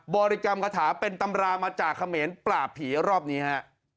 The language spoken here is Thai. บริกรรมคาถาเป็นตำรามาจากเขมรปราบผีรอบนี้ฮะ